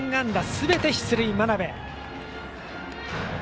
すべて出塁、真鍋。